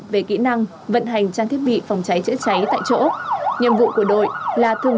về kỹ năng vận hành trang thiết bị phòng cháy chữa cháy tại chỗ nhiệm vụ của đội là thùng